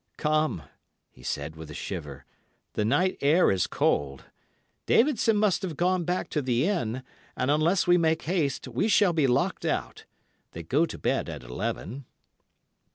"'Come,' he said with a shiver, 'the night air is cold. Davidson must have gone back to the inn, and unless we make haste we shall be locked out. They go to bed at eleven.